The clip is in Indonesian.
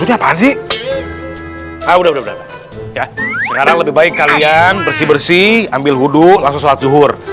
udah udah udah udah sekarang lebih baik kalian bersih bersih ambil hudu langsung suatu hur